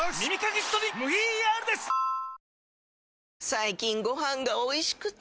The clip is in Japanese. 最近ご飯がおいしくて！